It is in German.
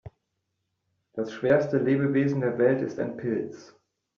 Das schwerste Lebewesen der Welt ist ein Pilz.